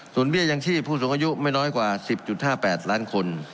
ส่วนเบี้ยยังชีพผู้สูงอายุไม่น้อยกว่า๑๐๕๘ล้านคน